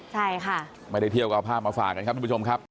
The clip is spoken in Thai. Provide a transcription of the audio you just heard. ใช่ค่ะไม่ได้เที่ยวก็เอาภาพมาฝากกันครับทุกผู้ชมครับ